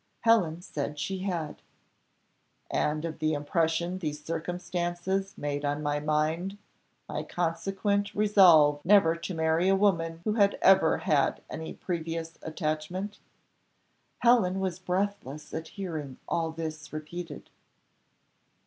Helen said she had. "And of the impression these circumstances made on my mind, my consequent resolve never to marry a woman who had ever had any previous attachment?" Helen was breathless at hearing all this repeated.